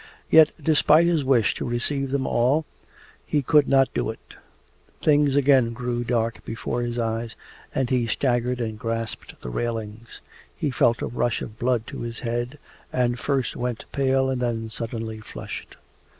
Yet despite his wish to receive them all he could not do it. Things again grew dark before his eyes, and he staggered and grasped the railings. He felt a rush of blood to his head and first went pale and then suddenly flushed.